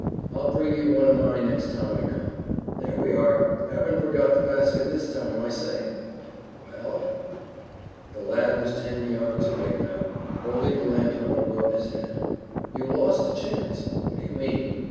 I'll bring you one o' mine next time I come. There we are. Haven't forgot the basket this time. I say?" "Well?" The lad was ten yards away now, holding the lanthorn above his head. "You lost a chance." "What do you mean?"